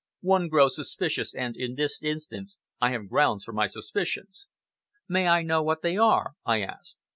One grows suspicious, and, in this instance, I have grounds for my suspicions." "May I know what they are?" I asked.